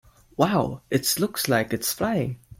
Wow! It looks like it is flying!